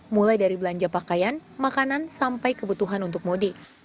mulai dari belanja pakaian makanan sampai kebutuhan untuk mudik